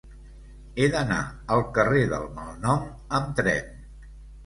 He d'anar al carrer del Malnom amb tren.